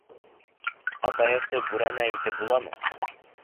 Ә таяҡты бүрәнә итеп буламы?